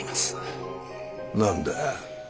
何だ？